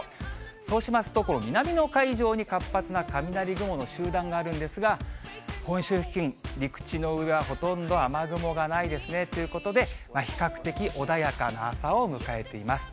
そうしますと、この南の海上に活発な雷雲の集団があるんですが、本州付近、陸地の上は、ほとんど雨雲がないですね。ということで、比較的穏やかな朝を迎えています。